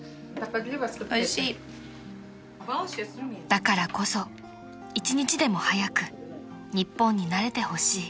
［だからこそ１日でも早く日本に慣れてほしい］